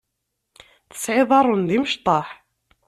Tesɛa iḍaṛṛen d imecṭaḥ.